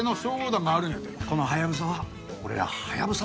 このハヤブサは俺らハヤブサ